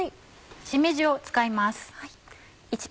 しめじを使います。